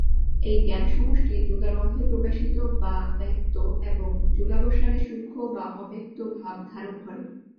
এই জ্ঞানসমষ্টি যুগারম্ভে প্রকাশিত বা ব্যক্ত এবং যুগাবসানে সূক্ষ্ম বা অব্যক্ত ভাব ধারণ করে।